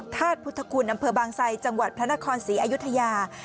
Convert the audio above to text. ธาตุพุทธคุณอำเภอบางไซจังหวัดพระนครศรีอยุธยา